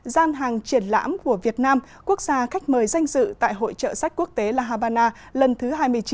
gian hàng triển lãm của việt nam quốc gia khách mời danh dự tại hội trợ sách quốc tế la habana lần thứ hai mươi chín